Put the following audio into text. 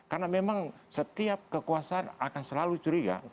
karena memang setiap kekuasaan akan selalu curiga